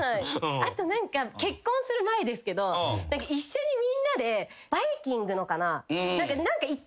あと何か結婚する前ですけど一緒にみんなで『バイキング』のかな？